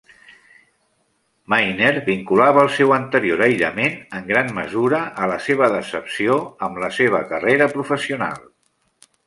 Miner vinculava el seu anterior aïllament en gran mesura a la seva decepció amb la seva carrera professional.